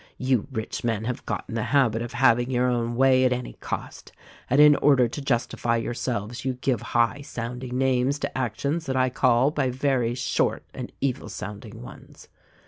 You rich men have got in the habit of having your own way at any cost ; and in order to justify yourselves you give high sounding names to actions that I call by very short and evil sounding ones.